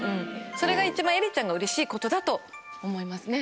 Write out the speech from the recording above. それが一番絵理ちゃんがうれしいことだと思いますね。